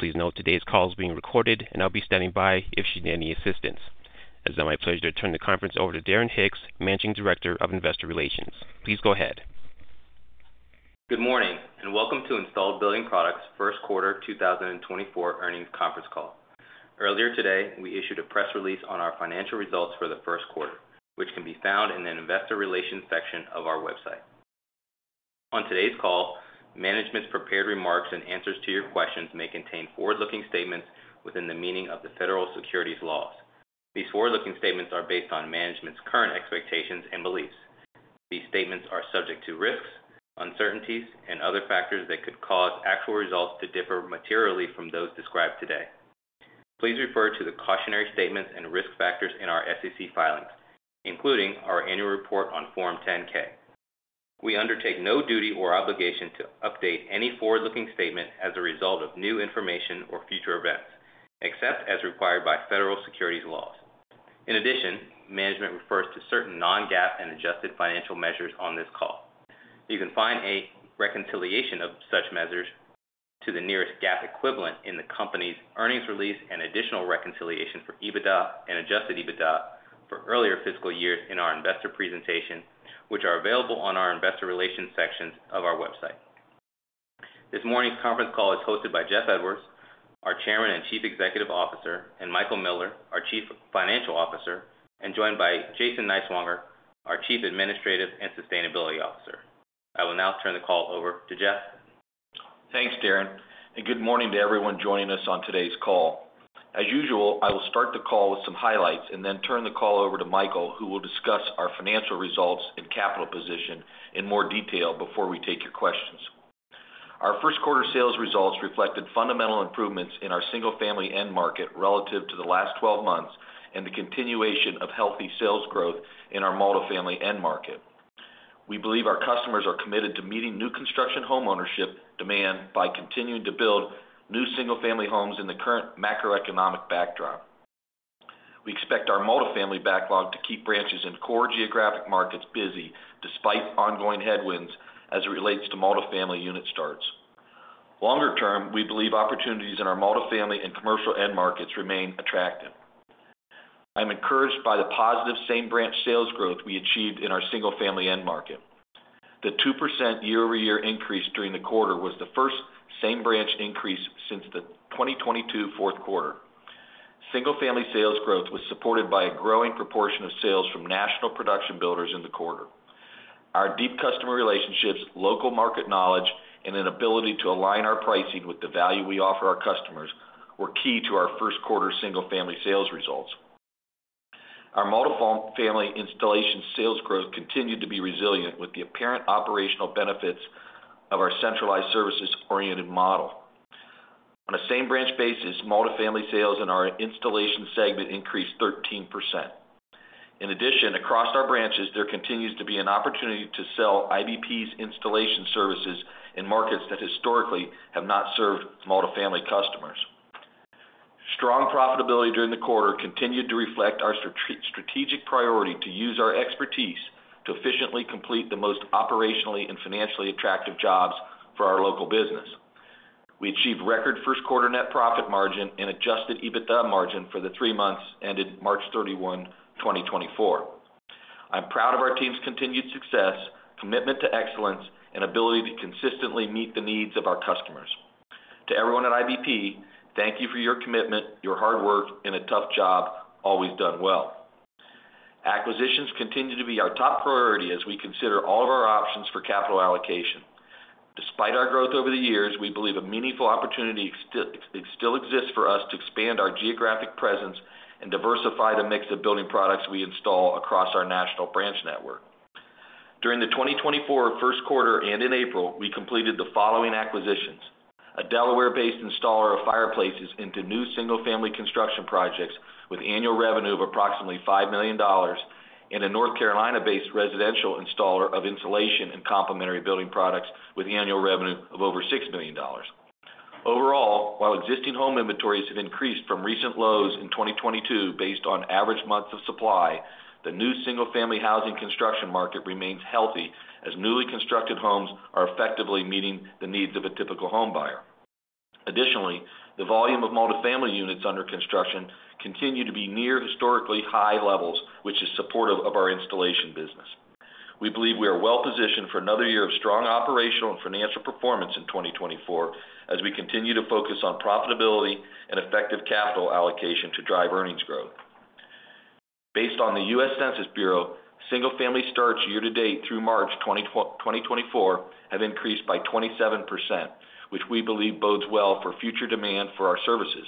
Please note today's call is being recorded, and I'll be standing by if you need any assistance. It's now my pleasure to turn the conference over to Darren Hicks, Managing Director of Investor Relations. Please go ahead. Good morning and welcome to Installed Building Products First Quarter 2024 Earnings Conference Call. Earlier today, we issued a press release on our financial results for the first quarter, which can be found in the Investor Relations section of our website. On today's call, management's prepared remarks and answers to your questions may contain forward-looking statements within the meaning of the federal securities laws. These forward-looking statements are based on management's current expectations and beliefs. These statements are subject to risks, uncertainties, and other factors that could cause actual results to differ materially from those described today. Please refer to the cautionary statements and risk factors in our SEC filings, including our annual report on Form 10-K. We undertake no duty or obligation to update any forward-looking statement as a result of new information or future events, except as required by federal securities laws. In addition, management refers to certain non-GAAP and adjusted financial measures on this call. You can find a reconciliation of such measures to the nearest GAAP equivalent in the company's earnings release and additional reconciliation for EBITDA and adjusted EBITDA for earlier fiscal years in our investor presentation, which are available on our Investor Relations sections of our website. This morning's conference call is hosted by Jeff Edwards, our Chairman and Chief Executive Officer, and Michael Miller, our Chief Financial Officer, and joined by Jason Niswonger, our Chief Administrative and Sustainability Officer. I will now turn the call over to Jeff. Thanks, Darren, and good morning to everyone joining us on today's call. As usual, I will start the call with some highlights and then turn the call over to Michael, who will discuss our financial results and capital position in more detail before we take your questions. Our first quarter sales results reflected fundamental improvements in our single-family end market relative to the last 12 months and the continuation of healthy sales growth in our multifamily end market. We believe our customers are committed to meeting new construction homeownership demand by continuing to build new single-family homes in the current macroeconomic backdrop. We expect our multifamily backlog to keep branches in core geographic markets busy despite ongoing headwinds as it relates to multifamily unit starts. Longer term, we believe opportunities in our multifamily and commercial end markets remain attractive. I'm encouraged by the positive same-branch sales growth we achieved in our single-family end market. The 2% year-over-year increase during the quarter was the first same-branch increase since the 2022 fourth quarter. Single-family sales growth was supported by a growing proportion of sales from national production builders in the quarter. Our deep customer relationships, local market knowledge, and an ability to align our pricing with the value we offer our customers were key to our first quarter single-family sales results. Our multifamily installation sales growth continued to be resilient with the apparent operational benefits of our centralized services-oriented model. On a same-branch basis, multifamily sales in our installation segment increased 13%. In addition, across our branches, there continues to be an opportunity to sell IBP's installation services in markets that historically have not served multifamily customers. Strong profitability during the quarter continued to reflect our strategic priority to use our expertise to efficiently complete the most operationally and financially attractive jobs for our local business. We achieved record first-quarter net profit margin and Adjusted EBITDA margin for the three months ended March 31, 2024. I'm proud of our team's continued success, commitment to excellence, and ability to consistently meet the needs of our customers. To everyone at IBP, thank you for your commitment, your hard work, and a tough job always done well. Acquisitions continue to be our top priority as we consider all of our options for capital allocation. Despite our growth over the years, we believe a meaningful opportunity still exists for us to expand our geographic presence and diversify the mix of building products we install across our national branch network. During the 2024 first quarter and in April, we completed the following acquisitions: a Delaware-based installer of fireplaces into new single-family construction projects with annual revenue of approximately $5 million, and a North Carolina-based residential installer of insulation and complementary building products with annual revenue of over $6 million. Overall, while existing home inventories have increased from recent lows in 2022 based on average months of supply, the new single-family housing construction market remains healthy as newly constructed homes are effectively meeting the needs of a typical home buyer. Additionally, the volume of multifamily units under construction continued to be near historically high levels, which is supportive of our installation business. We believe we are well positioned for another year of strong operational and financial performance in 2024 as we continue to focus on profitability and effective capital allocation to drive earnings growth. Based on the U.S. Census Bureau, single-family starts year-to-date through March 2024 have increased by 27%, which we believe bodes well for future demand for our services.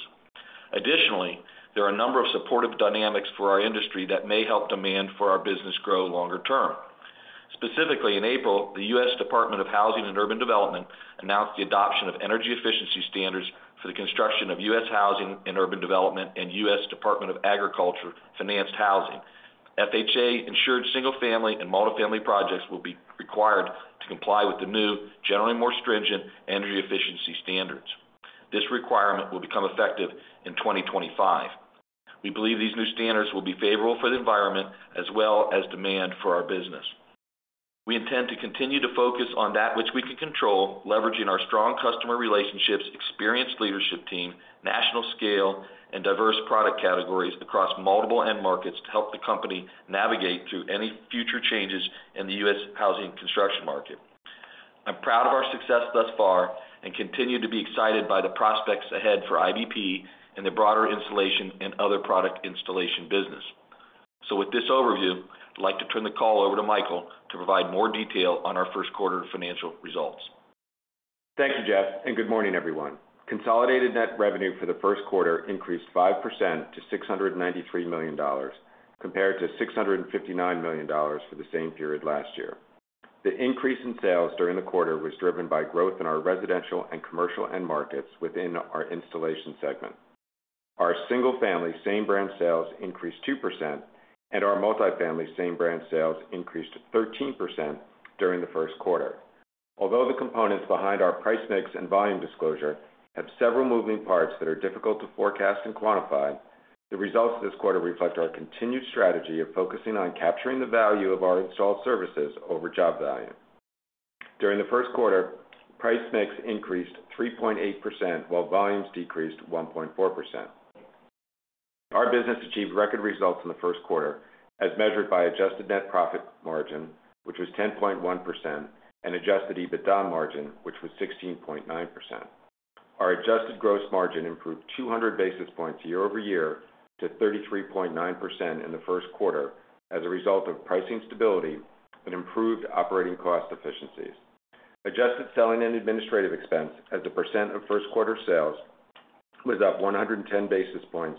Additionally, there are a number of supportive dynamics for our industry that may help demand for our business grow longer term. Specifically, in April, the U.S. Department of Housing and Urban Development announced the adoption of energy efficiency standards for the construction of U.S. Department of Housing and Urban Development and U.S. Department of Agriculture-financed housing. FHA-insured single-family and multifamily projects will be required to comply with the new, generally more stringent energy efficiency standards. This requirement will become effective in 2025. We believe these new standards will be favorable for the environment as well as demand for our business. We intend to continue to focus on that which we can control, leveraging our strong customer relationships, experienced leadership team, national scale, and diverse product categories across multiple end markets to help the company navigate through any future changes in the U.S. Housing Construction Market. I'm proud of our success thus far and continue to be excited by the prospects ahead for IBP and the broader installation and other product installation business. With this overview, I'd like to turn the call over to Michael to provide more detail on our first quarter financial results. Thank you, Jeff, and good morning, everyone. Consolidated net revenue for the first quarter increased 5% to $693 million compared to $659 million for the same period last year. The increase in sales during the quarter was driven by growth in our residential and commercial end markets within our installation segment. Our single-family same-branch sales increased 2%, and our multifamily same-branch sales increased 13% during the first quarter. Although the components behind our price mix and volume disclosure have several moving parts that are difficult to forecast and quantify, the results of this quarter reflect our continued strategy of focusing on capturing the value of our installed services over job value. During the first quarter, price mix increased 3.8% while volumes decreased 1.4%. Our business achieved record results in the first quarter as measured by adjusted net profit margin, which was 10.1%, and adjusted EBITDA margin, which was 16.9%. Our adjusted gross margin improved 200 basis points year-over-year to 33.9% in the first quarter as a result of pricing stability and improved operating cost efficiencies. Adjusted selling and administrative expense, as the percent of first quarter sales, was up 110 basis points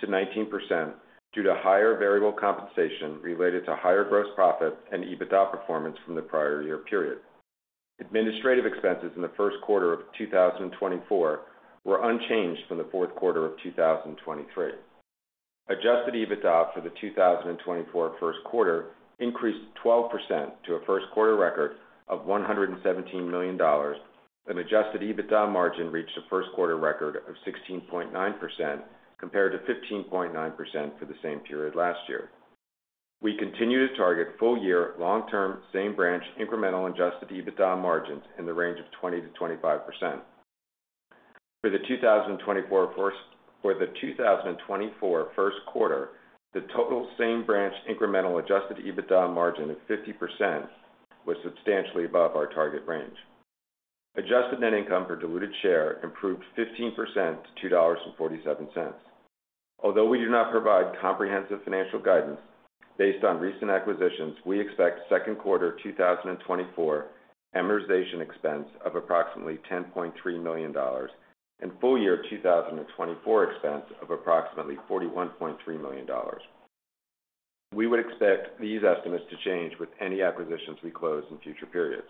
to 19% due to higher variable compensation related to higher gross profit and EBITDA performance from the prior year period. Administrative expenses in the first quarter of 2024 were unchanged from the fourth quarter of 2023. Adjusted EBITDA for the 2024 first quarter increased 12% to a first quarter record of $117 million, and adjusted EBITDA margin reached a first quarter record of 16.9% compared to 15.9% for the same period last year. We continue to target full-year, long-term same-branch incremental adjusted EBITDA margins in the range of 20%-25%. For the 2024 first quarter, the total same-branch incremental adjusted EBITDA margin of 50% was substantially above our target range. Adjusted net income per diluted share improved 15% to $2.47. Although we do not provide comprehensive financial guidance based on recent acquisitions, we expect second quarter 2024 amortization expense of approximately $10.3 million and full-year 2024 expense of approximately $41.3 million. We would expect these estimates to change with any acquisitions we close in future periods.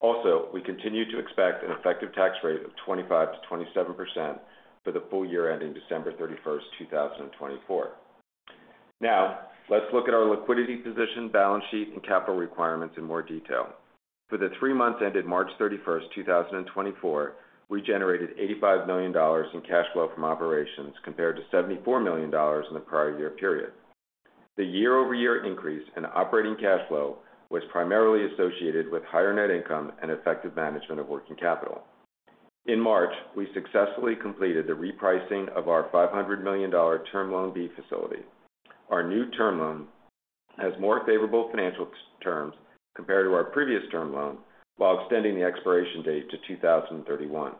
Also, we continue to expect an effective tax rate of 25%-27% for the full year ending December 31, 2024. Now, let's look at our liquidity position, balance sheet, and capital requirements in more detail. For the three months ended March 31, 2024, we generated $85 million in cash flow from operations compared to $74 million in the prior year period. The year-over-year increase in operating cash flow was primarily associated with higher net income and effective management of working capital. In March, we successfully completed the repricing of our $500 million Term Loan B facility. Our new term loan has more favorable financial terms compared to our previous term loan while extending the expiration date to 2031.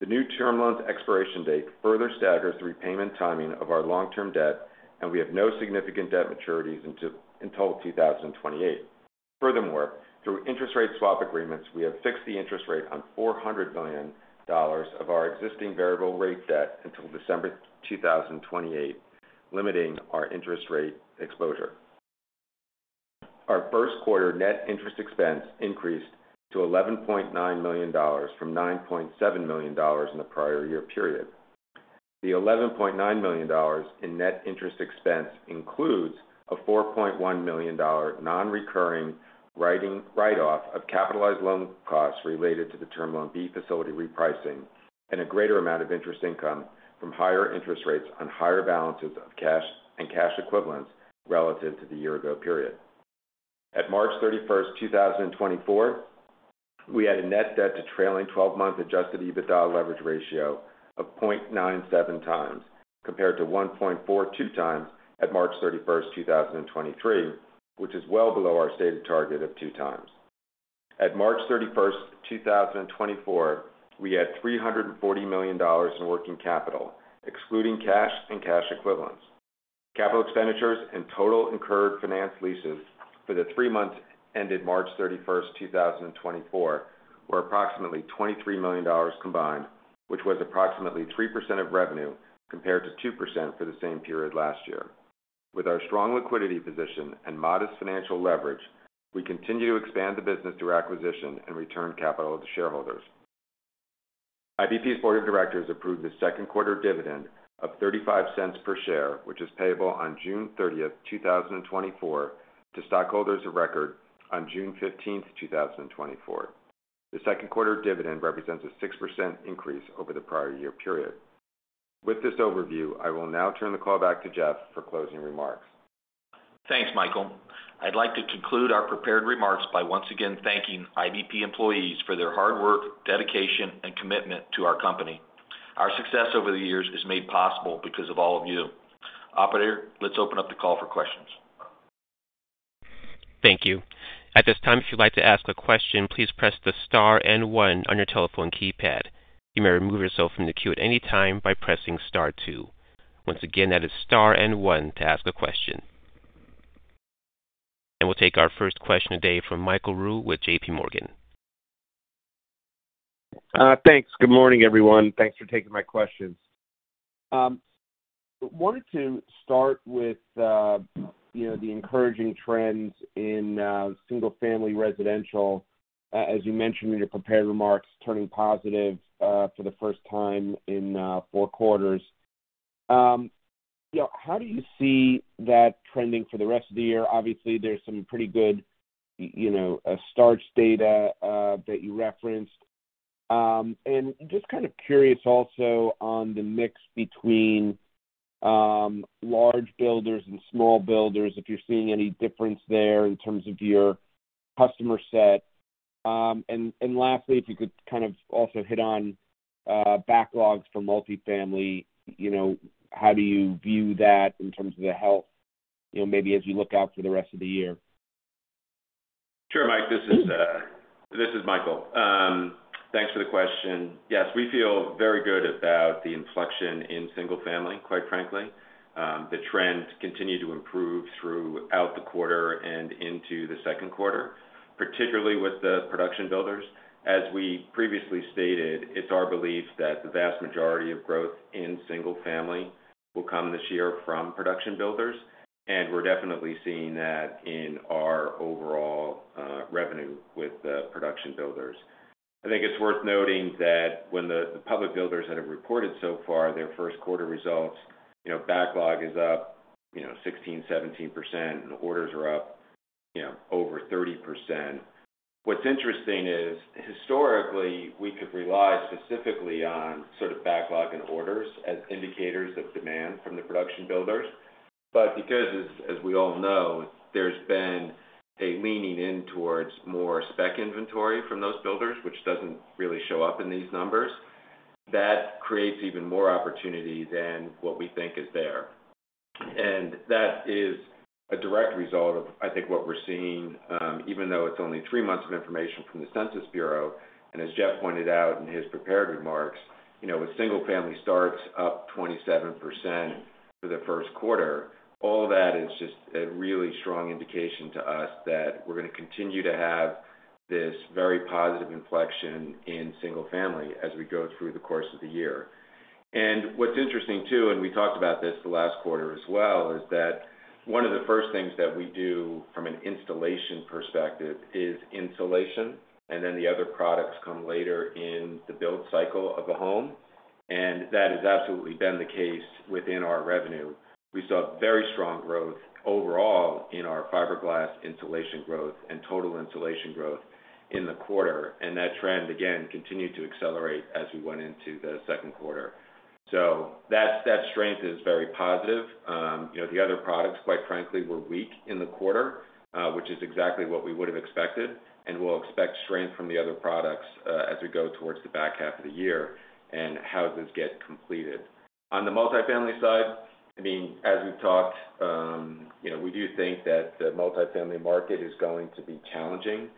The new term loan's expiration date further staggers the repayment timing of our long-term debt, and we have no significant debt maturities until 2028. Furthermore, through interest rate swap agreements, we have fixed the interest rate on $400 million of our existing variable rate debt until December 2028, limiting our interest rate exposure. Our first quarter net interest expense increased to $11.9 million from $9.7 million in the prior year period. The $11.9 million in net interest expense includes a $4.1 million non-recurring write-off of capitalized loan costs related to the Term Loan B facility repricing and a greater amount of interest income from higher interest rates on higher balances of cash and cash equivalents relative to the year-ago period. At March 31, 2024, we had a net debt to trailing 12-month Adjusted EBITDA leverage ratio of 0.97x compared to 1.42x at March 31, 2023, which is well below our stated target of two times. At March 31, 2024, we had $340 million in working capital, excluding cash and cash equivalents. Capital expenditures and total incurred finance leases for the three months ended March 31, 2024, were approximately $23 million combined, which was approximately 3% of revenue compared to 2% for the same period last year. With our strong liquidity position and modest financial leverage, we continue to expand the business through acquisition and return capital to shareholders. IBP's board of directors approved the second quarter dividend of $0.35 per share, which is payable on June 30, 2024, to stockholders of record on June 15, 2024. The second quarter dividend represents a 6% increase over the prior year period. With this overview, I will now turn the call back to Jeff for closing remarks. Thanks, Michael. I'd like to conclude our prepared remarks by once again thanking IBP employees for their hard work, dedication, and commitment to our company. Our success over the years is made possible because of all of you. Operator, let's open up the call for questions. Thank you. At this time, if you'd like to ask a question, please press the star and one on your telephone keypad. You may remove yourself from the queue at any time by pressing star two. Once again, that is star and one to ask a question. We'll take our first question today from Michael Rehaut with JPMorgan. Thanks. Good morning, everyone. Thanks for taking my questions. Wanted to start with the encouraging trends in single-family residential, as you mentioned in your prepared remarks, turning positive for the first time in four quarters. How do you see that trending for the rest of the year? Obviously, there's some pretty good starts data that you referenced. And just kind of curious also on the mix between large builders and small builders, if you're seeing any difference there in terms of your customer set. And lastly, if you could kind of also hit on backlogs for multifamily, how do you view that in terms of the health, maybe as you look out for the rest of the year? Sure, Mike. This is Michael. Thanks for the question. Yes, we feel very good about the inflection in single-family, quite frankly. The trends continue to improve throughout the quarter and into the second quarter, particularly with the production builders. As we previously stated, it's our belief that the vast majority of growth in single-family will come this year from production builders, and we're definitely seeing that in our overall revenue with the production builders. I think it's worth noting that when the public builders that have reported so far their first quarter results, backlog is up 16%-17%, and orders are up over 30%. What's interesting is, historically, we could rely specifically on sort of backlog and orders as indicators of demand from the production builders. But because, as we all know, there's been a leaning in towards more spec inventory from those builders, which doesn't really show up in these numbers, that creates even more opportunity than what we think is there. That is a direct result of, I think, what we're seeing, even though it's only three months of information from the Census Bureau. As Jeff pointed out in his prepared remarks, with single-family starts up 27% for the first quarter, all that is just a really strong indication to us that we're going to continue to have this very positive inflection in single-family as we go through the course of the year. What's interesting too, and we talked about this the last quarter as well, is that one of the first things that we do from an installation perspective is insulation, and then the other products come later in the build cycle of a home. And that has absolutely been the case within our revenue. We saw very strong growth overall in our fiberglass insulation growth and total insulation growth in the quarter. And that trend, again, continued to accelerate as we went into the second quarter. So that strength is very positive. The other products, quite frankly, were weak in the quarter, which is exactly what we would have expected, and we'll expect strength from the other products as we go towards the back half of the year and houses get completed. On the multifamily side, I mean, as we've talked, we do think that the multifamily market is going to be challenging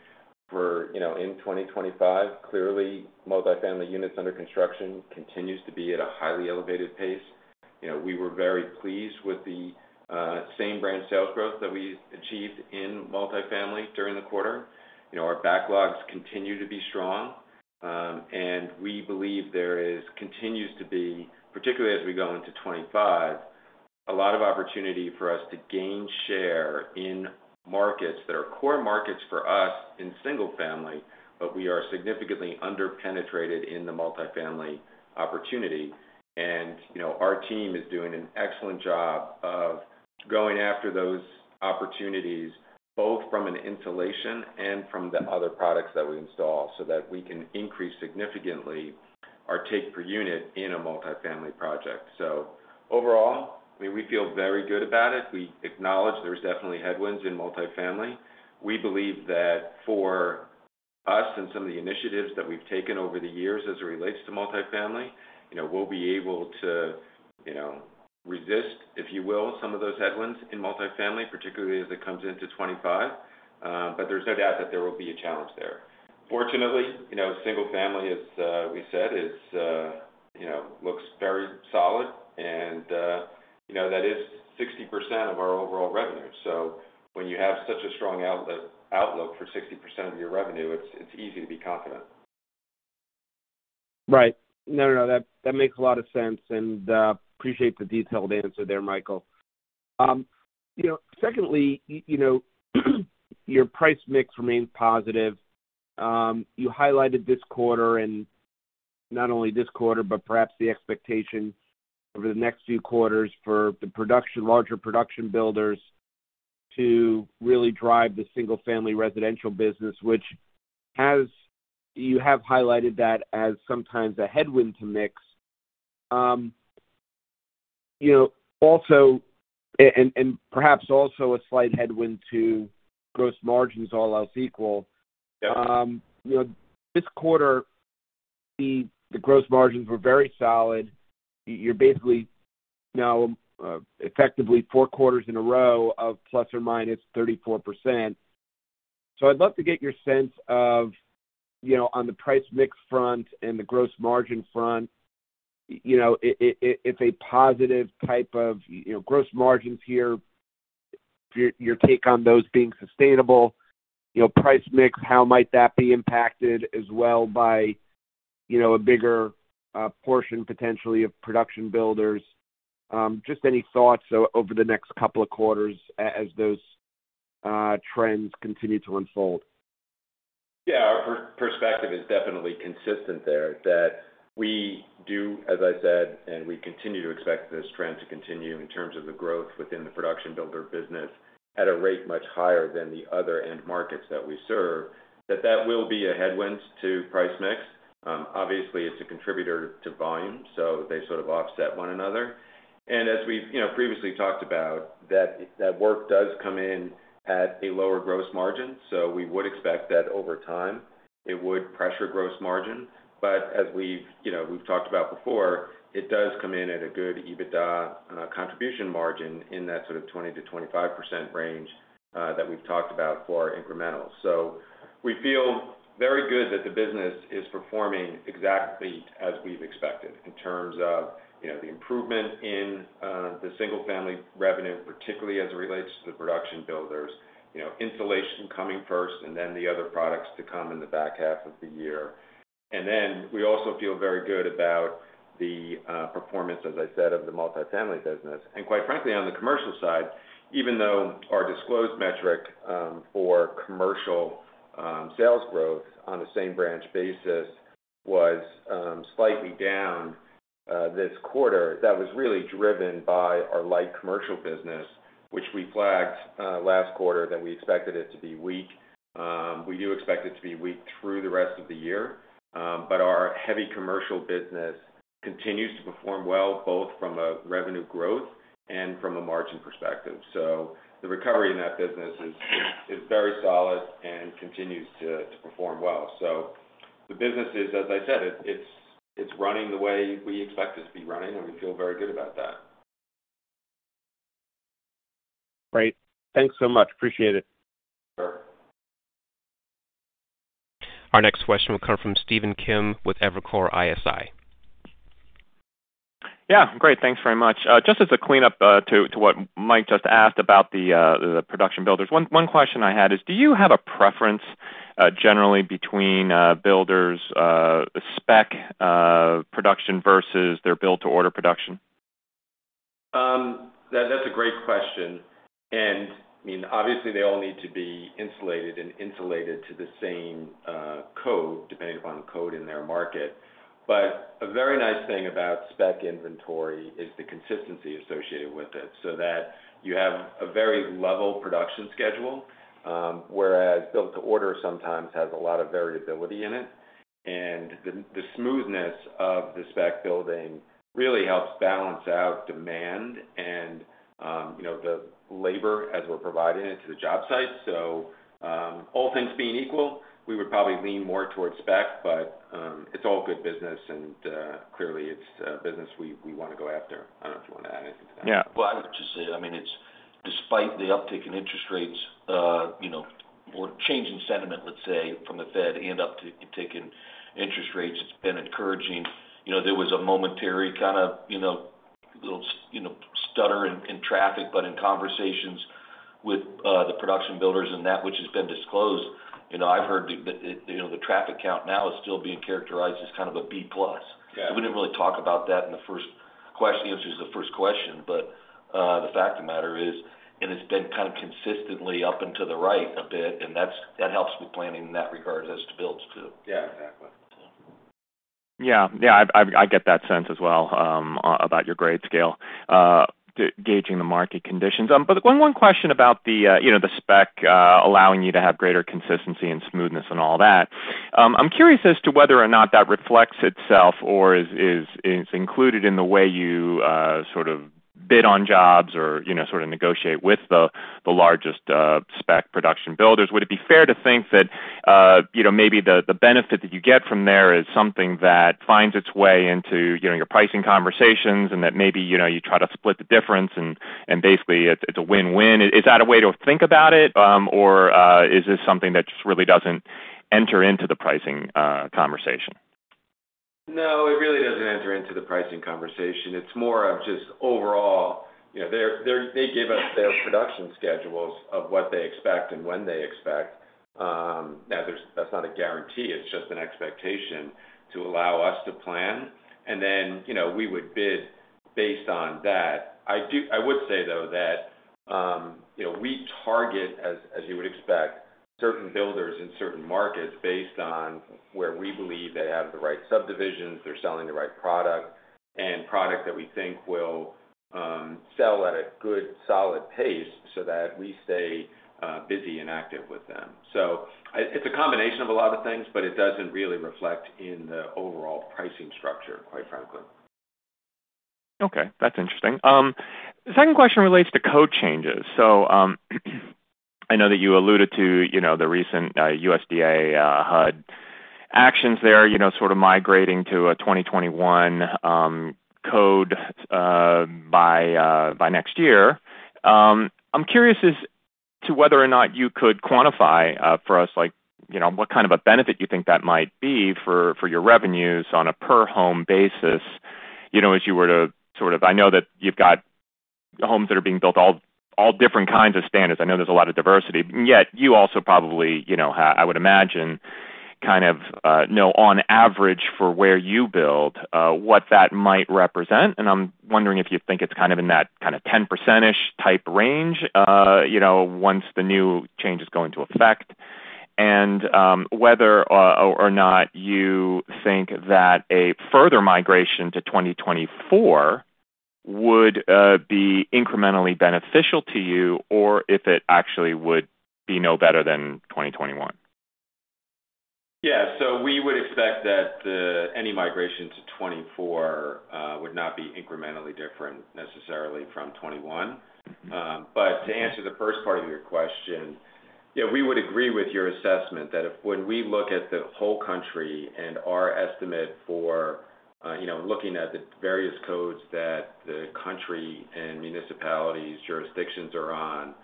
in 2025. Clearly, multifamily units under construction continues to be at a highly elevated pace. We were very pleased with the same-branch sales growth that we achieved in multifamily during the quarter. Our backlogs continue to be strong, and we believe there continues to be, particularly as we go into 2025, a lot of opportunity for us to gain share in markets that are core markets for us in single-family, but we are significantly underpenetrated in the multifamily opportunity. And our team is doing an excellent job of going after those opportunities both from an insulation and from the other products that we install so that we can increase significantly our take per unit in a multifamily project. So overall, I mean, we feel very good about it. We acknowledge there's definitely headwinds in multifamily. We believe that for us and some of the initiatives that we've taken over the years as it relates to multifamily, we'll be able to resist, if you will, some of those headwinds in multifamily, particularly as it comes into 2025. But there's no doubt that there will be a challenge there. Fortunately, single-family, as we said, looks very solid, and that is 60% of our overall revenue. So when you have such a strong outlook for 60% of your revenue, it's easy to be confident. Right. No, no, no. That makes a lot of sense, and appreciate the detailed answer there, Michael. Secondly, your price mix remains positive. You highlighted this quarter, and not only this quarter, but perhaps the expectation over the next few quarters for the larger production builders to really drive the single-family residential business, which you have highlighted that as sometimes a headwind to mix. And perhaps also a slight headwind to gross margins, all else equal. This quarter, the gross margins were very solid. You're basically now effectively four quarters in a row of ±34%. So I'd love to get your sense of, on the price mix front and the gross margin front, it's a positive type of gross margins here, your take on those being sustainable. Price mix, how might that be impacted as well by a bigger portion, potentially, of production builders? Just any thoughts over the next couple of quarters as those trends continue to unfold? Yeah. Our perspective is definitely consistent there, that we do, as I said, and we continue to expect this trend to continue in terms of the growth within the production builder business at a rate much higher than the other end markets that we serve, that that will be a headwind to price mix. Obviously, it's a contributor to volume, so they sort of offset one another. And as we've previously talked about, that work does come in at a lower gross margin, so we would expect that over time, it would pressure gross margin. But as we've talked about before, it does come in at a good EBITDA contribution margin in that sort of 20%-25% range that we've talked about for our incrementals. So we feel very good that the business is performing exactly as we've expected in terms of the improvement in the single-family revenue, particularly as it relates to the production builders, insulation coming first and then the other products to come in the back half of the year. And then we also feel very good about the performance, as I said, of the multifamily business. And quite frankly, on the commercial side, even though our disclosed metric for commercial sales growth on the same-branch basis was slightly down this quarter, that was really driven by our light commercial business, which we flagged last quarter that we expected it to be weak. We do expect it to be weak through the rest of the year, but our heavy commercial business continues to perform well both from a revenue growth and from a margin perspective. The recovery in that business is very solid and continues to perform well. The business is, as I said, it's running the way we expect it to be running, and we feel very good about that. Great. Thanks so much. Appreciate it. Sure. Our next question will come from Stephen Kim with Evercore ISI. Yeah. Great. Thanks very much. Just as a cleanup to what Mike just asked about the production builders, one question I had is, do you have a preference generally between builders' spec production versus their build-to-order production? That's a great question. And I mean, obviously, they all need to be insulated and insulated to the same code, depending upon the code in their market. But a very nice thing about spec inventory is the consistency associated with it, so that you have a very level production schedule, whereas build-to-order sometimes has a lot of variability in it. And the smoothness of the spec building really helps balance out demand and the labor as we're providing it to the job sites. So all things being equal, we would probably lean more towards spec, but it's all good business, and clearly, it's business we want to go after. I don't know if you want to add anything to that. Yeah. Well, I would just say, I mean, despite the uptick in interest rates or changing sentiment, let's say, from the Fed and uptick in interest rates, it's been encouraging. There was a momentary kind of little stutter in traffic, but in conversations with the production builders and that which has been disclosed, I've heard that the traffic count now is still being characterized as kind of a B-plus. We didn't really talk about that in the first question the answer to the first question, but the fact of the matter is. And it's been kind of consistently up and to the right a bit, and that helps with planning in that regard as to builds too. Yeah. Exactly. Yeah. Yeah. I get that sense as well about your grade scale, gauging the market conditions. But one question about the spec allowing you to have greater consistency and smoothness and all that. I'm curious as to whether or not that reflects itself or is included in the way you sort of bid on jobs or sort of negotiate with the largest spec production builders. Would it be fair to think that maybe the benefit that you get from there is something that finds its way into your pricing conversations and that maybe you try to split the difference, and basically, it's a win-win? Is that a way to think about it, or is this something that just really doesn't enter into the pricing conversation? No, it really doesn't enter into the pricing conversation. It's more of just overall, they give us their production schedules of what they expect and when they expect. Now, that's not a guarantee. It's just an expectation to allow us to plan, and then we would bid based on that. I would say, though, that we target, as you would expect, certain builders in certain markets based on where we believe they have the right subdivisions, they're selling the right product, and product that we think will sell at a good, solid pace so that we stay busy and active with them. So it's a combination of a lot of things, but it doesn't really reflect in the overall pricing structure, quite frankly. Okay. That's interesting. The second question relates to code changes. So I know that you alluded to the recent USDA HUD actions there, sort of migrating to a 2021 code by next year. I'm curious as to whether or not you could quantify for us what kind of a benefit you think that might be for your revenues on a per-home basis as you were to sort of I know that you've got homes that are being built all different kinds of standards. I know there's a lot of diversity. And yet, you also probably, I would imagine, kind of know, on average, for where you build, what that might represent. I'm wondering if you think it's kind of in that kind of 10%-ish type range once the new change is going to affect, and whether or not you think that a further migration to 2024 would be incrementally beneficial to you or if it actually would be no better than 2021. Yeah. So we would expect that any migration to 2024 would not be incrementally different necessarily from 2021. But to answer the first part of your question, we would agree with your assessment that when we look at the whole country and our estimate for looking at the various codes that the country and municipalities, jurisdictions are on,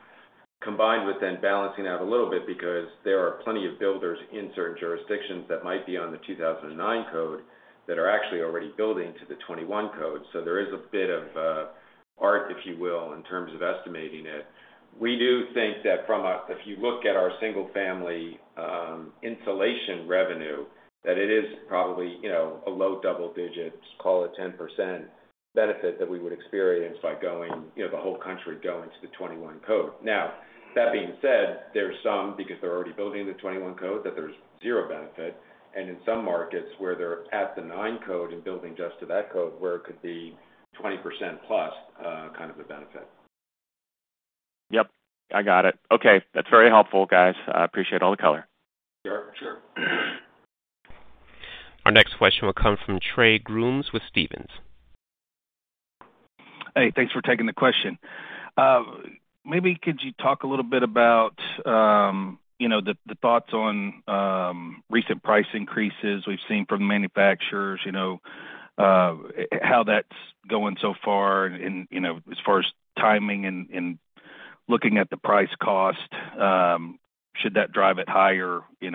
combined with then balancing out a little bit because there are plenty of builders in certain jurisdictions that might be on the 2009 code that are actually already building to the 2021 code, so there is a bit of art, if you will, in terms of estimating it. We do think that from a if you look at our single-family insulation revenue, that it is probably a low double-digit, call it 10%, benefit that we would experience by going the whole country going to the 2021 code. Now, that being said, there's some, because they're already building the 2021 code, that there's zero benefit. And in some markets where they're at the 2009 code and building just to that code, where it could be 20%-plus kind of a benefit. Yep. I got it. Okay. That's very helpful, guys. I appreciate all the color. Sure. Sure. Our next question will come from Trey Grooms with Stephens. Hey. Thanks for taking the question. Maybe could you talk a little bit about the thoughts on recent price increases we've seen from the manufacturers, how that's going so far as far as timing and looking at the price cost? Should that drive it higher in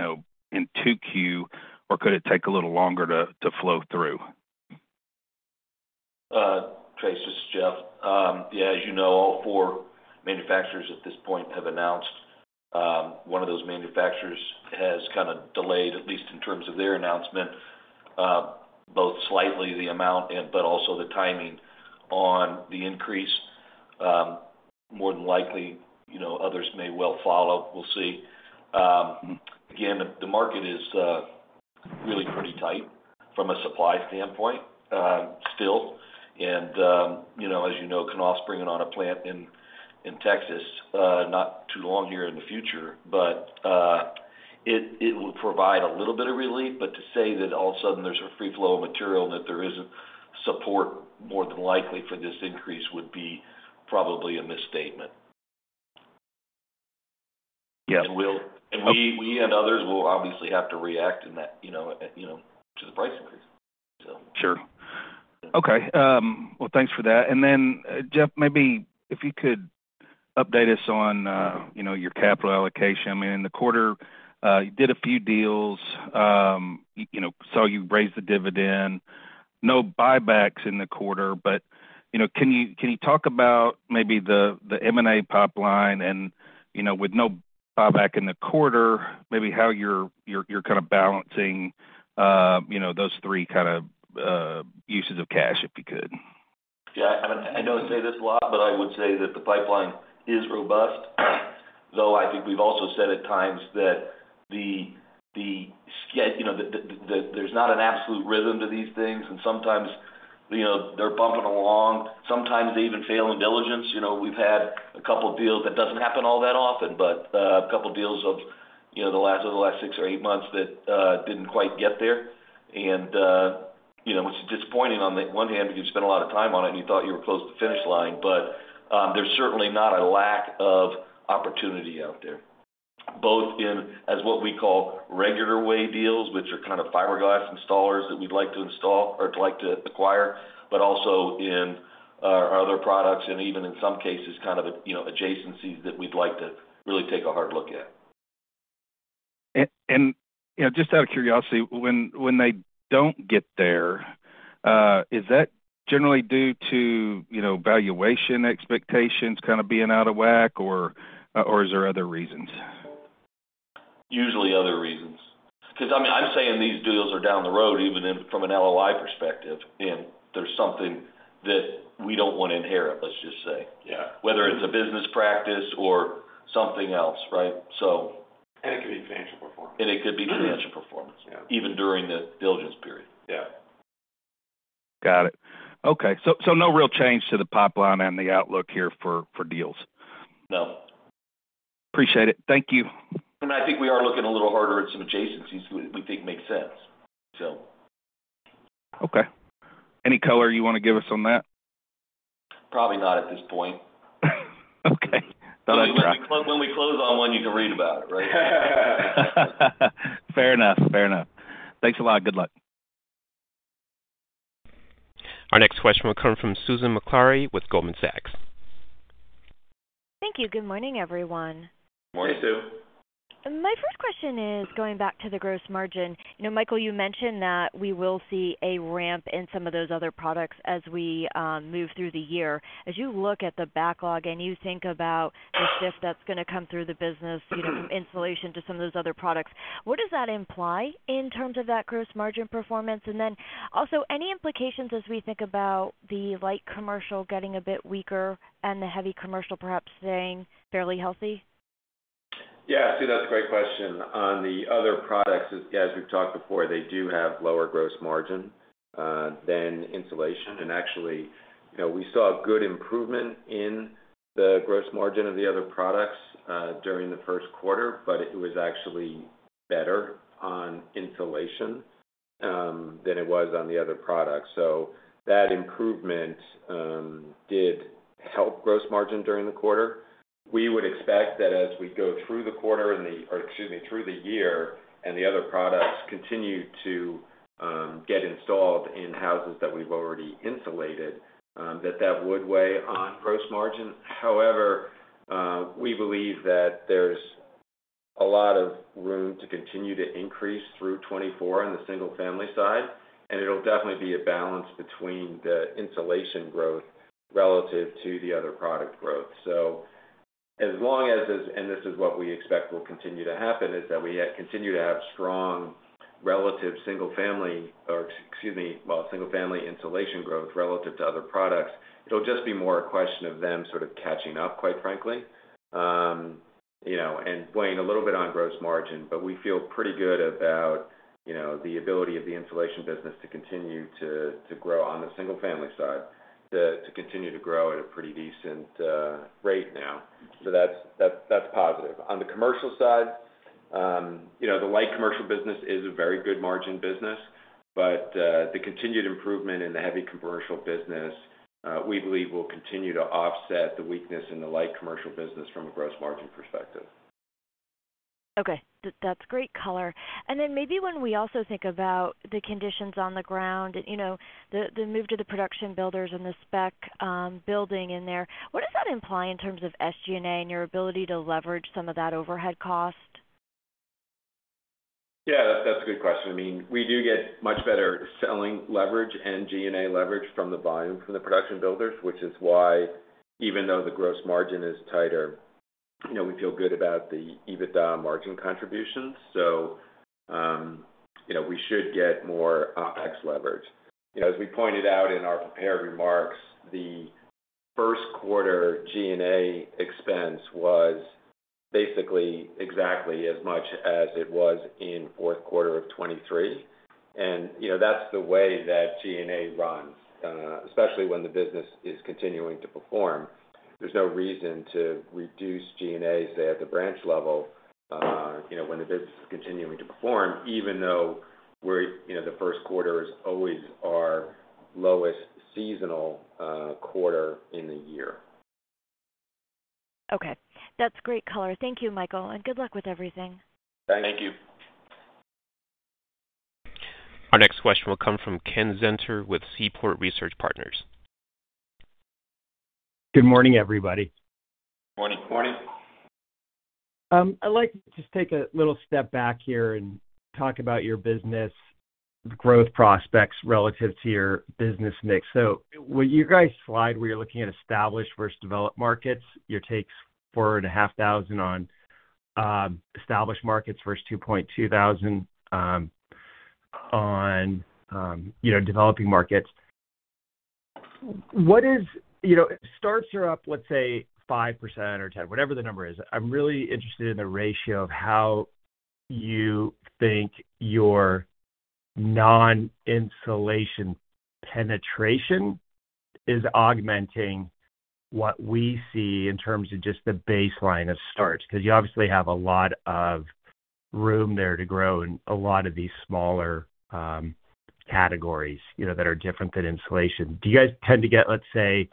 2Q, or could it take a little longer to flow through? Tra, this is Jeff. Yeah. As you know, all four manufacturers at this point have announced. One of those manufacturers has kind of delayed, at least in terms of their announcement, both slightly the amount but also the timing on the increase. More than likely, others may well follow. We'll see. Again, the market is really pretty tight from a supply standpoint still. And as you know, Knauf Insulation is opening a plant in Texas not too long here in the future, but it will provide a little bit of relief. But to say that all of a sudden, there's a free flow of material and that there isn't support, more than likely, for this increase would be probably a misstatement. And we and others will obviously have to react to the price increase, so. Sure. Okay. Well, thanks for that. And then, Jeff, maybe if you could update us on your capital allocation. I mean, in the quarter, you did a few deals. I saw you raise the dividend. No buybacks in the quarter, but can you talk about maybe the M&A pipeline and, with no buyback in the quarter, maybe how you're kind of balancing those three kind of uses of cash, if you could? Yeah. I mean, I don't say this a lot, but I would say that the pipeline is robust, though I think we've also said at times that there's not an absolute rhythm to these things, and sometimes they're bumping along. Sometimes they even fail in diligence. We've had a couple of deals that doesn't happen all that often, but a couple of deals over the last 6 or 8 months that didn't quite get there, which is disappointing on the one hand because you spent a lot of time on it, and you thought you were close to the finish line. But there's certainly not a lack of opportunity out there, both in as what we call regular-way deals, which are kind of fiberglass installers that we'd like to install or like to acquire, but also in our other products and even in some cases, kind of adjacencies that we'd like to really take a hard look at. Just out of curiosity, when they don't get there, is that generally due to valuation expectations kind of being out of whack, or is there other reasons? Usually, other reasons. Because I mean, I'm saying these deals are down the road, even from an LOI perspective, and there's something that we don't want to inherit, let's just say, whether it's a business practice or something else, right, so. It could be financial performance. It could be financial performance even during the diligence period. Yeah. Got it. Okay. So no real change to the pipeline and the outlook here for deals? No. Appreciate it. Thank you. I mean, I think we are looking a little harder at some adjacencies that we think make sense, so. Okay. Any color you want to give us on that? Probably not at this point. Okay. No, that's correct. When we close on one, you can read about it, right? Fair enough. Fair enough. Thanks a lot. Good luck. Our next question will come from Susan Maklari with Goldman Sachs. Thank you. Good morning, everyone. Morning, Susan. My first question is going back to the gross margin. Michael, you mentioned that we will see a ramp in some of those other products as we move through the year. As you look at the backlog and you think about the shift that's going to come through the business, from insulation to some of those other products, what does that imply in terms of that gross margin performance? And then also, any implications as we think about the light commercial getting a bit weaker and the heavy commercial perhaps staying fairly healthy? Yeah. See, that's a great question. On the other products, as we've talked before, they do have lower gross margin than insulation. And actually, we saw a good improvement in the gross margin of the other products during the first quarter, but it was actually better on insulation than it was on the other products. So that improvement did help gross margin during the quarter. We would expect that as we go through the year and the other products continue to get installed in houses that we've already insulated, that that would weigh on gross margin. However, we believe that there's a lot of room to continue to increase through 2024 on the single-family side, and it'll definitely be a balance between the insulation growth relative to the other product growth. So as long as—and this is what we expect will continue to happen—is that we continue to have strong relative single-family, or excuse me, well, single-family insulation growth relative to other products, it'll just be more a question of them sort of catching up, quite frankly, and weighing a little bit on gross margin. But we feel pretty good about the ability of the insulation business to continue to grow on the single-family side, to continue to grow at a pretty decent rate now. So that's positive. On the commercial side, the light commercial business is a very good margin business, but the continued improvement in the heavy commercial business, we believe, will continue to offset the weakness in the light commercial business from a gross margin perspective. Okay. That's great color. And then maybe when we also think about the conditions on the ground, the move to the production builders and the spec building in there, what does that imply in terms of SG&A and your ability to leverage some of that overhead cost? Yeah. That's a good question. I mean, we do get much better selling leverage and G&A leverage from the volume from the production builders, which is why even though the gross margin is tighter, we feel good about the EBITDA margin contributions. So we should get more OpEx leverage. As we pointed out in our prepared remarks, the first quarter G&A expense was basically exactly as much as it was in fourth quarter of 2023. And that's the way that G&A runs, especially when the business is continuing to perform. There's no reason to reduce G&A, say, at the branch level when the business is continuing to perform, even though the first quarter is always our lowest seasonal quarter in the year. Okay. That's great color. Thank you, Michael, and good luck with everything. Thank you. Our next question will come from Ken Zener with Seaport Research Partners. Good morning, everybody. Morning, Corny. I'd like to just take a little step back here and talk about your business growth prospects relative to your business mix. So your guy's slide, where you're looking at established versus developed markets, your take's 4,500 on established markets versus 2,200 on developing markets. Starts are up, let's say, 5% or 10%, whatever the number is. I'm really interested in the ratio of how you think your non-insulation penetration is augmenting what we see in terms of just the baseline of starts because you obviously have a lot of room there to grow in a lot of these smaller categories that are different than insulation. Do you guys tend to get, let's say,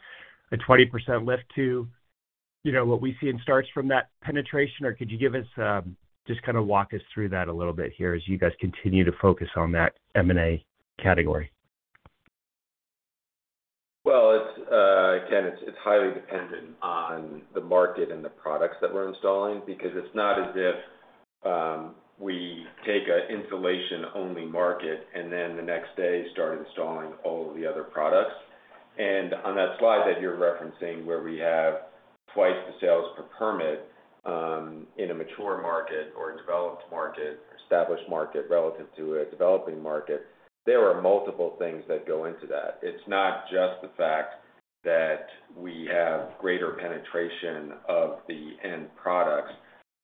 a 20% lift to what we see in starts from that penetration, or could you give us just kind of walk us through that a little bit here as you guys continue to focus on that M&A category? Well, again, it's highly dependent on the market and the products that we're installing because it's not as if we take an insulation-only market and then the next day start installing all of the other products. On that slide that you're referencing, where we have twice the sales per permit in a mature market or a developed market or established market relative to a developing market, there are multiple things that go into that. It's not just the fact that we have greater penetration of the end products,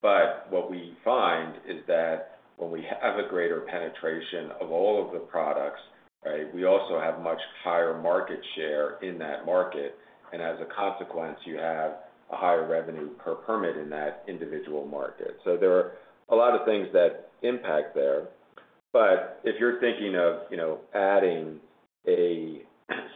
but what we find is that when we have a greater penetration of all of the products, right, we also have much higher market share in that market. As a consequence, you have a higher revenue per permit in that individual market. There are a lot of things that impact there. But if you're thinking of adding a,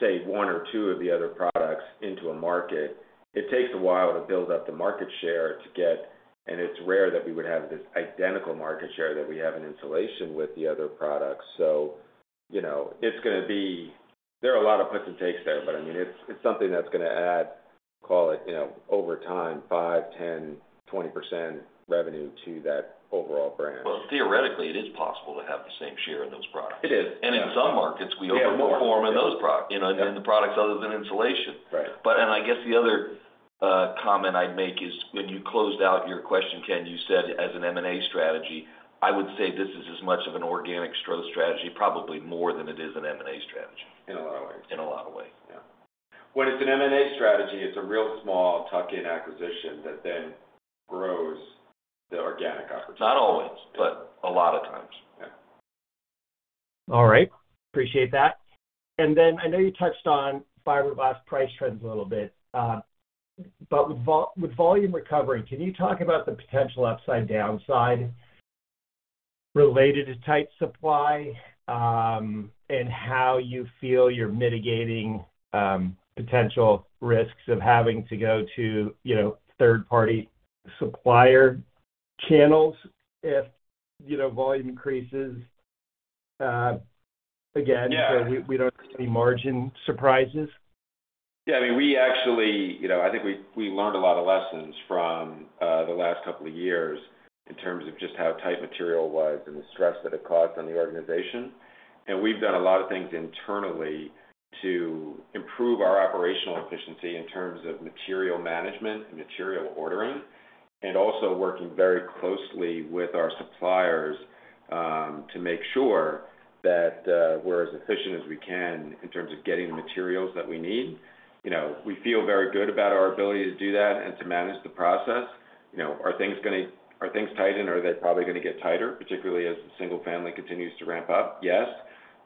say, one or two of the other products into a market, it takes a while to build up the market share to get. And it's rare that we would have this identical market share that we have in insulation with the other products. So it's going to be there are a lot of puts and takes there, but I mean, it's something that's going to add, call it, over time, 5%, 10%, 20% revenue to that overall brand. Well, theoretically, it is possible to have the same share in those products. And in some markets, we overperform in those products and in the products other than insulation. And I guess the other comment I'd make is when you closed out your question, Ken, you said, "As an M&A strategy, I would say this is as much of an organic strength strategy, probably more than it is an M&A strategy. In a lot of ways. In a lot of ways. Yeah. When it's an M&A strategy, it's a real small tuck-in acquisition that then grows the organic opportunity. Not always, but a lot of times. All right. Appreciate that. And then I know you touched on fiberglass price trends a little bit, but with volume recovering, can you talk about the potential upside/downside related to tight supply and how you feel you're mitigating potential risks of having to go to third-party supplier channels if volume increases again, so we don't have any margin surprises? Yeah. I mean, we actually I think we learned a lot of lessons from the last couple of years in terms of just how tight material was and the stress that it caused on the organization. We've done a lot of things internally to improve our operational efficiency in terms of material management and material ordering and also working very closely with our suppliers to make sure that we're as efficient as we can in terms of getting the materials that we need. We feel very good about our ability to do that and to manage the process. Are things going to tighten, or are they probably going to get tighter, particularly as the single-family continues to ramp up? Yes.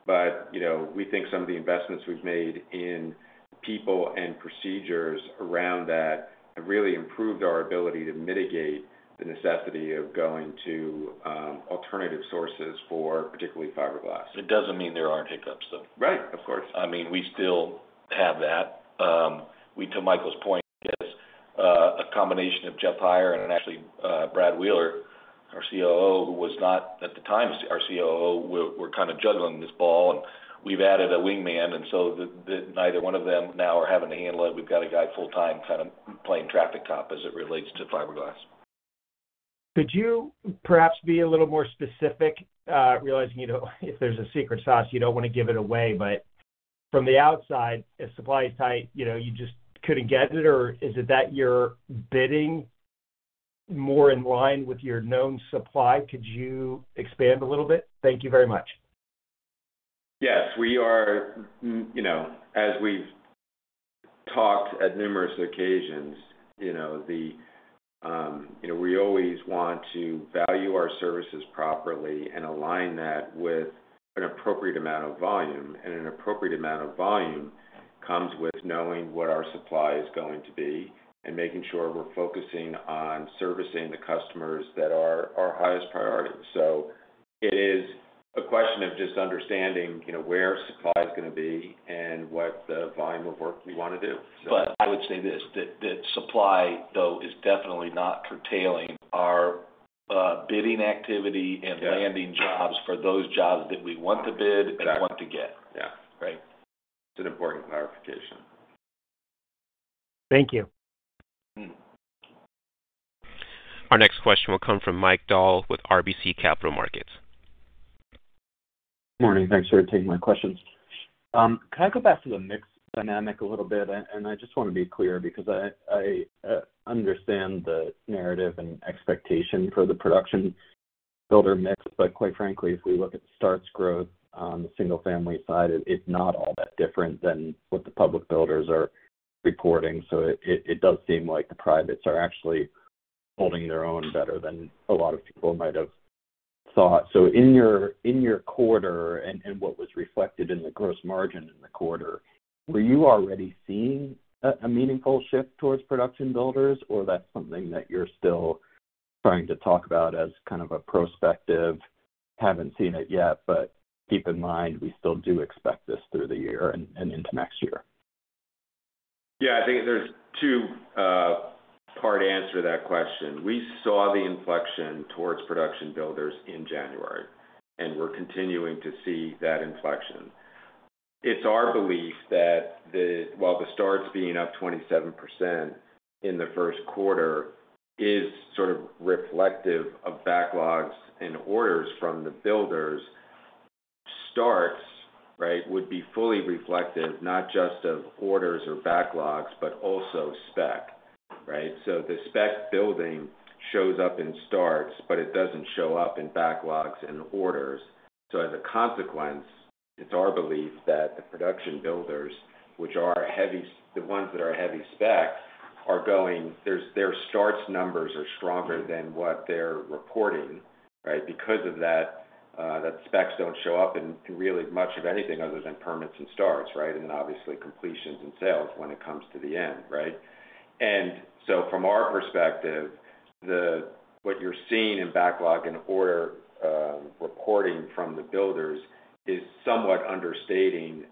But we think some of the investments we've made in people and procedures around that have really improved our ability to mitigate the necessity of going to alternative sources for particularly fiberglass. It doesn't mean there aren't hiccups, though. Right. Of course. I mean, we still have that. To Michael's point, it's a combination of Jeff Hire and actually Brad Wheeler, our COO, who was not at the time. Our COO, we're kind of juggling this ball, and we've added a wingman. And so neither one of them now are having to handle it. We've got a guy full-time kind of playing traffic cop as it relates to fiberglass. Could you perhaps be a little more specific? Realizing if there's a secret sauce, you don't want to give it away. But from the outside, if supply is tight, you just couldn't get it, or is it that you're bidding more in line with your known supply? Could you expand a little bit? Thank you very much. Yes. As we've talked at numerous occasions, we always want to value our services properly and align that with an appropriate amount of volume. An appropriate amount of volume comes with knowing what our supply is going to be and making sure we're focusing on servicing the customers that are our highest priority. It is a question of just understanding where supply is going to be and what the volume of work we want to do, so. I would say this, that supply, though, is definitely not curtailing our bidding activity and landing jobs for those jobs that we want to bid and want to get, right? That's right. Yeah. It's an important clarification. Thank you. Our next question will come from Mike Dahl with RBC Capital Markets. Good morning. Thanks for taking my questions. Can I go back to the mix dynamic a little bit? I just want to be clear because I understand the narrative and expectation for the production builder mix. But quite frankly, if we look at starts growth on the single-family side, it's not all that different than what the public builders are reporting. So it does seem like the privates are actually holding their own better than a lot of people might have thought. So in your quarter and what was reflected in the gross margin in the quarter, were you already seeing a meaningful shift towards production builders, or that's something that you're still trying to talk about as kind of a prospective? Haven't seen it yet, but keep in mind, we still do expect this through the year and into next year. Yeah. I think there's a two-part answer to that question. We saw the inflection towards production builders in January, and we're continuing to see that inflection. It's our belief that while the starts being up 27% in the first quarter is sort of reflective of backlogs and orders from the builders, starts, right, would be fully reflective not just of orders or backlogs but also spec, right? So the spec building shows up in starts, but it doesn't show up in backlogs and orders. So as a consequence, it's our belief that the production builders, which are heavy the ones that are heavy spec, are going their starts numbers are stronger than what they're reporting, right, because of that specs don't show up in really much of anything other than permits and starts, right, and then obviously completions and sales when it comes to the end, right? From our perspective, what you're seeing in backlog and order reporting from the builders is somewhat understating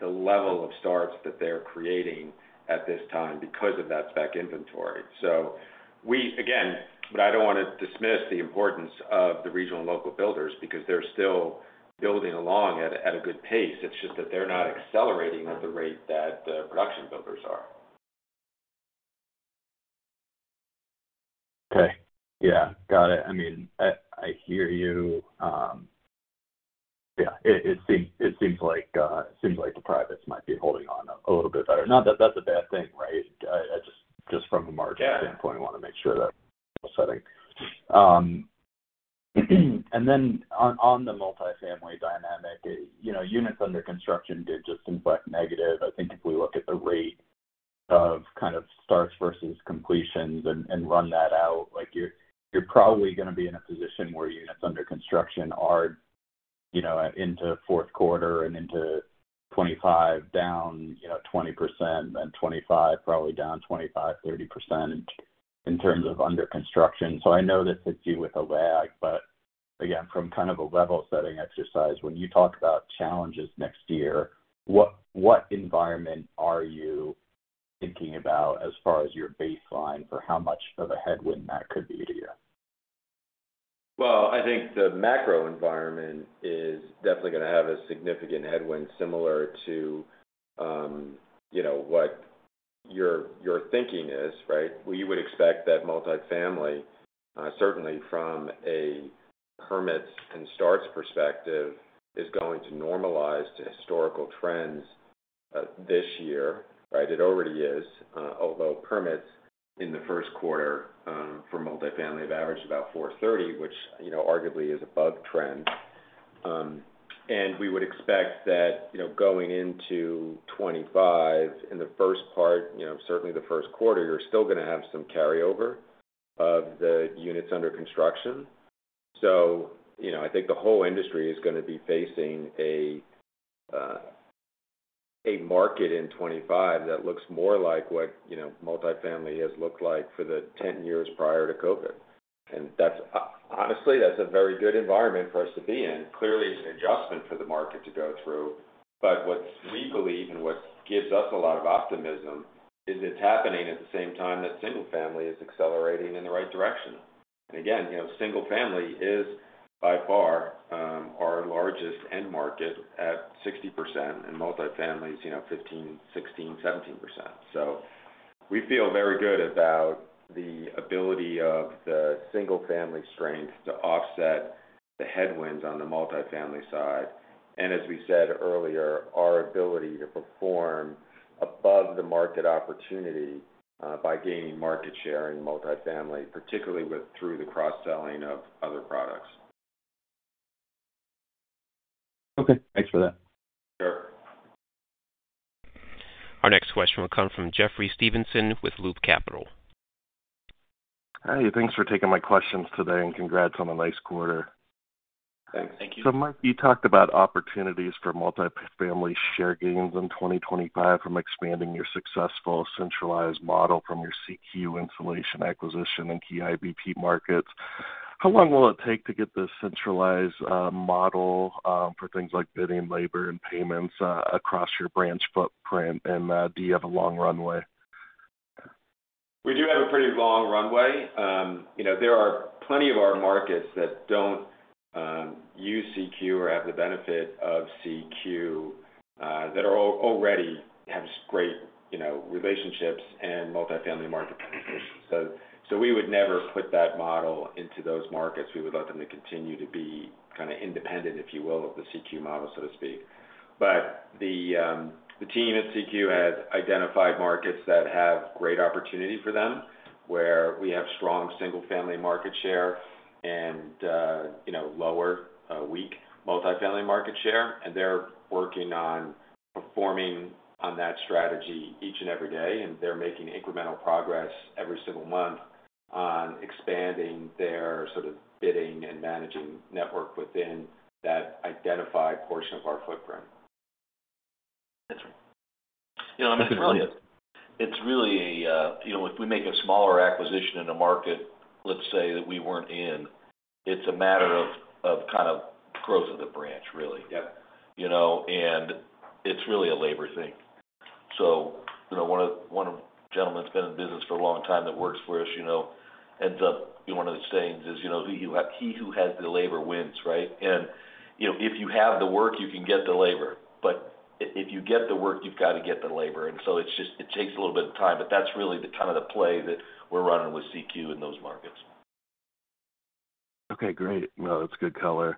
the level of starts that they're creating at this time because of that spec inventory. Again, but I don't want to dismiss the importance of the regional and local builders because they're still building along at a good pace. It's just that they're not accelerating at the rate that the production builders are. Okay. Yeah. Got it. I mean, I hear you. Yeah. It seems like the privates might be holding on a little bit better. Not that that's a bad thing, right? Just from a margin standpoint, want to make sure that setting. And then on the multifamily dynamic, units under construction did just inflect negative. I think if we look at the rate of kind of starts versus completions and run that out, you're probably going to be in a position where units under construction are into fourth quarter and into 2025 down 20% and 2025 probably down 25%-30% in terms of under construction. I know this hits you with a lag, but again, from kind of a level-setting exercise, when you talk about challenges next year, what environment are you thinking about as far as your baseline for how much of a headwind that could be to you? Well, I think the macro environment is definitely going to have a significant headwind similar to what your thinking is, right? You would expect that multifamily, certainly from a permits and starts perspective, is going to normalize to historical trends this year, right? It already is, although permits in the first quarter for multifamily have averaged about 430, which arguably is above trend. And we would expect that going into 2025, in the first part, certainly the first quarter, you're still going to have some carryover of the units under construction. So I think the whole industry is going to be facing a market in 2025 that looks more like what multifamily has looked like for the 10 years prior to COVID. And honestly, that's a very good environment for us to be in. Clearly, it's an adjustment for the market to go through. But what we believe and what gives us a lot of optimism is it's happening at the same time that single-family is accelerating in the right direction. And again, single-family is by far our largest end market at 60%, and multifamily is 15%-17%. So we feel very good about the ability of the single-family strength to offset the headwinds on the multifamily side and, as we said earlier, our ability to perform above the market opportunity by gaining market share in multifamily, particularly through the cross-selling of other products. Okay. Thanks for that. Sure. Our next question will come from Jeffrey Stevenson with Loop Capital. Hey. Thanks for taking my questions today and congrats on a nice quarter. Thanks. So Mike, you talked about opportunities for multifamily share gains in 2025 from expanding your successful centralized model from your CQ Insulation acquisition and key IBP markets. How long will it take to get this centralized model for things like bidding, labor, and payments across your branch footprint? And do you have a long runway? We do have a pretty long runway. There are plenty of our markets that don't use CQ or have the benefit of CQ that already have great relationships and multifamily market penetrations. So we would never put that model into those markets. We would let them continue to be kind of independent, if you will, of the CQ model, so to speak. But the team at CQ has identified markets that have great opportunity for them where we have strong single-family market share and lower, weak multifamily market share. And they're working on performing on that strategy each and every day, and they're making incremental progress every single month on expanding their sort of bidding and managing network within that identified portion of our footprint. That's right. I mean, it's really if we make a smaller acquisition in a market, let's say that we weren't in, it's a matter of kind of growth of the branch, really. And it's really a labor thing. So one of the gentlemen has been in business for a long time that works for us. And one of the sayings is, "He who has the labor wins," right? And if you have the work, you can get the labor. But if you get the work, you've got to get the labor. And so it takes a little bit of time. But that's really kind of the play that we're running with CQ in those markets. Okay. Great. No, that's good color.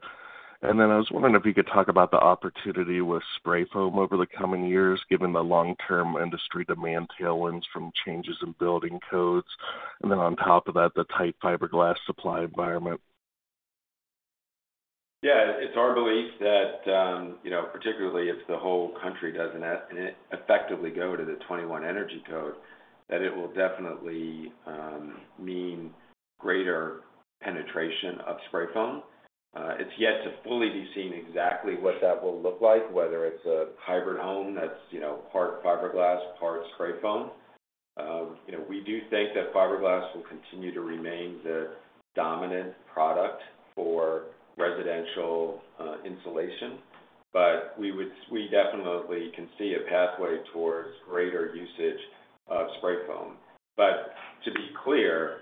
And then I was wondering if you could talk about the opportunity with spray foam over the coming years given the long-term industry demand tailwinds from changes in building codes. And then on top of that, the tight fiberglass supply environment. Yeah. It's our belief that particularly if the whole country doesn't effectively go to the 2021 energy code, that it will definitely mean greater penetration of spray foam. It's yet to fully be seen exactly what that will look like, whether it's a hybrid home that's part fiberglass, part spray foam. We do think that fiberglass will continue to remain the dominant product for residential insulation, but we definitely can see a pathway towards greater usage of spray foam. But to be clear,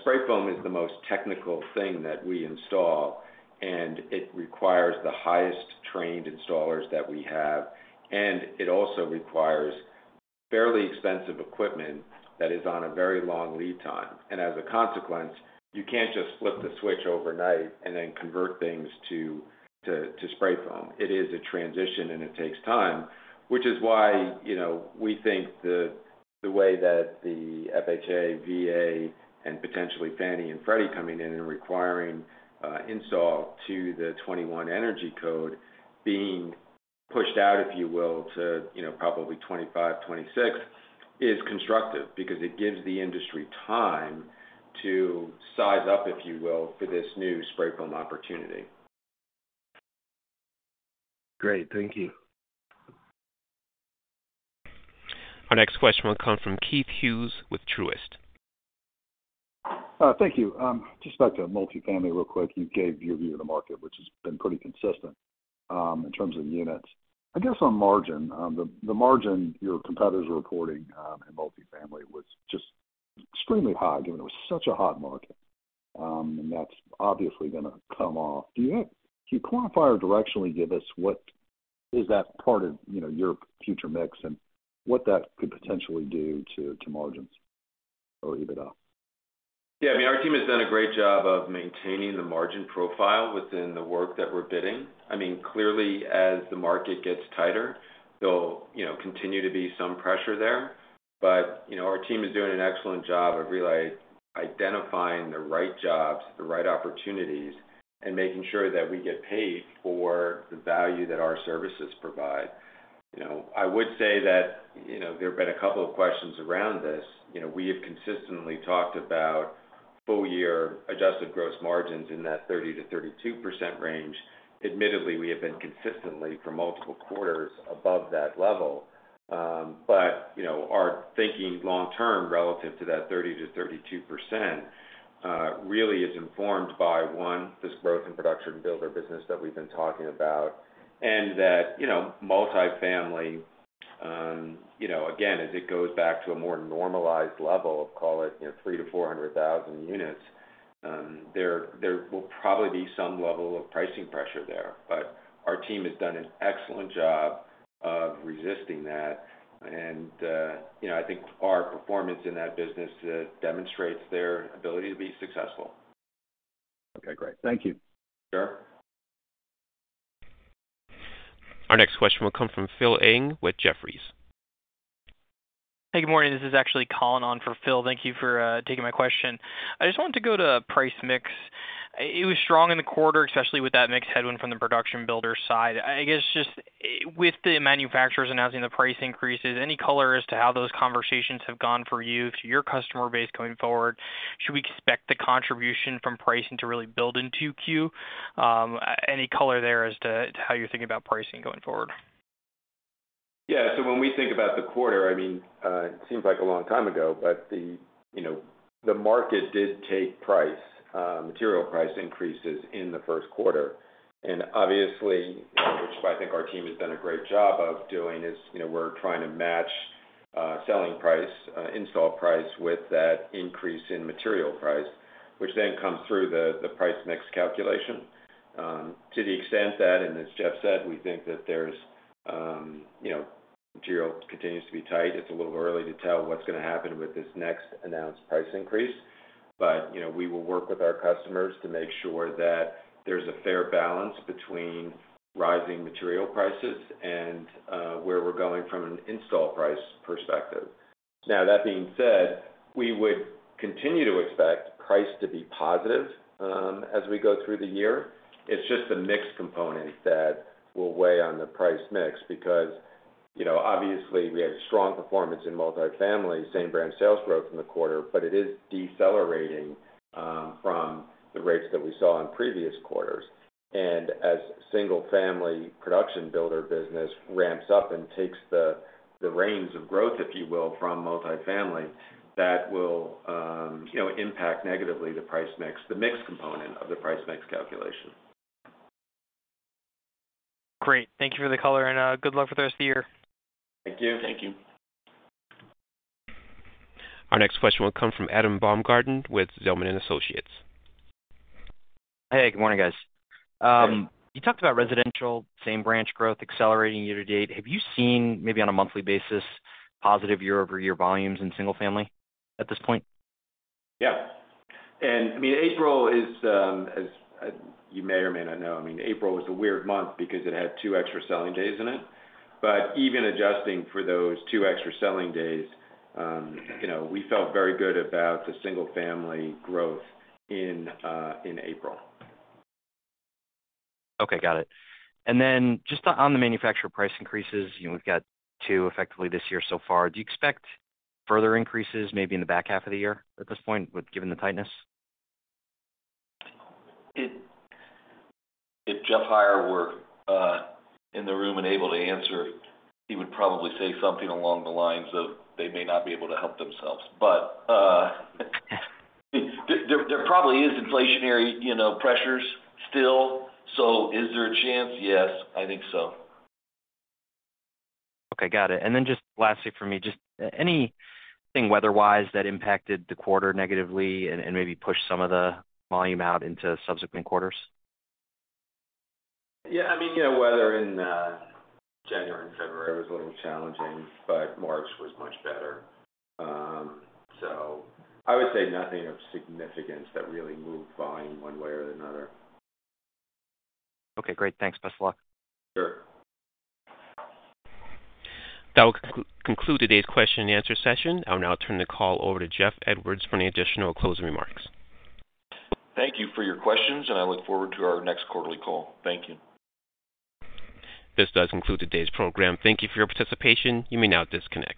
spray foam is the most technical thing that we install, and it requires the highest-trained installers that we have. And it also requires fairly expensive equipment that is on a very long lead time. And as a consequence, you can't just flip the switch overnight and then convert things to spray foam. It is a transition, and it takes time, which is why we think the way that the FHA, VA, and potentially Fannie and Freddie coming in and requiring install to the 2021 energy code being pushed out, if you will, to probably 2025, 2026 is constructive because it gives the industry time to size up, if you will, for this new spray foam opportunity. Great. Thank you. Our next question will come from Keith Hughes with Truist. Thank you. Just back to multifamily real quick. You gave your view of the market, which has been pretty consistent in terms of units. I guess on margin, the margin your competitors are reporting in multifamily was just extremely high given it was such a hot market, and that's obviously going to come off. Can you quantify or directionally give us what is that part of your future mix and what that could potentially do to margins or EBITDA? Yeah. I mean, our team has done a great job of maintaining the margin profile within the work that we're bidding. I mean, clearly, as the market gets tighter, there'll continue to be some pressure there. But our team is doing an excellent job of identifying the right jobs, the right opportunities, and making sure that we get paid for the value that our services provide. I would say that there have been a couple of questions around this. We have consistently talked about full-year adjusted gross margins in that 30%-32% range. Admittedly, we have been consistently for multiple quarters above that level. But our thinking long-term relative to that 30%-32% really is informed by, one, this growth in production builder business that we've been talking about, and that multifamily again, as it goes back to a more normalized level of, call it, 300,000-400,000 units, there will probably be some level of pricing pressure there. But our team has done an excellent job of resisting that. And I think our performance in that business demonstrates their ability to be successful. Okay. Great. Thank you. Sure. Our next question will come from Philip Ng with Jefferies. Hey. Good morning. This is actually Collin on for Phil. Thank you for taking my question. I just wanted to go to price mix. It was strong in the quarter, especially with that mixed headwind from the production builder side. I guess just with the manufacturers announcing the price increases, any color as to how those conversations have gone for you, to your customer base going forward? Should we expect the contribution from pricing to really build in 2Q? Any color there as to how you're thinking about pricing going forward? Yeah. So when we think about the quarter, I mean, it seems like a long time ago, but the market did take price, material price increases in the first quarter. And obviously, which I think our team has done a great job of doing, is we're trying to match selling price, install price, with that increase in material price, which then comes through the price mix calculation. To the extent that, and as Jeff said, we think that material continues to be tight, it's a little early to tell what's going to happen with this next announced price increase. But we will work with our customers to make sure that there's a fair balance between rising material prices and where we're going from an install price perspective. Now, that being said, we would continue to expect price to be positive as we go through the year. It's just the mix component that will weigh on the price mix because obviously, we had a strong performance in multifamily, same-brand sales growth in the quarter, but it is decelerating from the rates that we saw in previous quarters. And as single-family production builder business ramps up and takes the reins of growth, if you will, from multifamily, that will impact negatively the price mix, the mix component of the price mix calculation. Great. Thank you for the color, and good luck with the rest of the year. Thank you. Thank you. Our next question will come from Adam Baumgarten with Zelman & Associates. Hey. Good morning, guys. You talked about residential, same-branch growth accelerating year to date. Have you seen, maybe on a monthly basis, positive year-over-year volumes in single-family at this point? Yeah. I mean, April, as you may or may not know, I mean, April was a weird month because it had two extra selling days in it. Even adjusting for those two extra selling days, we felt very good about the single-family growth in April. Okay. Got it. And then just on the manufacturer price increases, we've got two effectively this year so far. Do you expect further increases maybe in the back half of the year at this point given the tightness? If Jeff Hire were in the room and able to answer, he would probably say something along the lines of, "They may not be able to help themselves." But there probably is inflationary pressures still. So is there a chance? Yes, I think so. Okay. Got it. And then just lastly for me, just anything weather-wise that impacted the quarter negatively and maybe pushed some of the volume out into subsequent quarters? Yeah. I mean, weather in January and February was a little challenging, but March was much better. So I would say nothing of significance that really moved volume one way or another. Okay. Great. Thanks. Best of luck. Sure. That will conclude today's question-and-answer session. I will now turn the call over to Jeff Edwards for any additional closing remarks. Thank you for your questions, and I look forward to our next quarterly call. Thank you. This does conclude today's program. Thank you for your participation. You may now disconnect.